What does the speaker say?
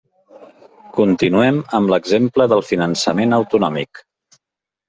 Continuem amb l'exemple del finançament autonòmic.